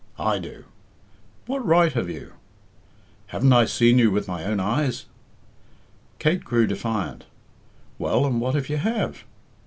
"I do." "What right have you?" "Haven't I seen you with my own eyes?" Kate grew defiant. "Well, and what if you have?"